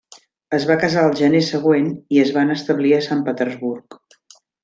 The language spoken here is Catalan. Es van casar al gener següent i es van establir a Sant Petersburg.